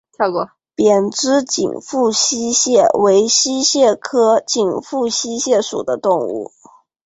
扁肢紧腹溪蟹为溪蟹科紧腹溪蟹属的动物。